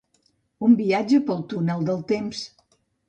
Un viatge pel túnel del temps